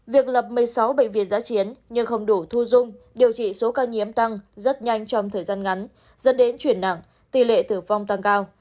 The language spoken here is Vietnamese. việc lập một mươi sáu bệnh viện giá chiến nhưng không đủ thu dung điều trị số ca nhiễm tăng rất nhanh trong thời gian ngắn dẫn đến chuyển nặng tỷ lệ tử vong tăng cao